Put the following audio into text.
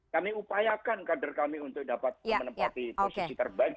kami upayakan kader kami untuk dapat menempati posisi terbaik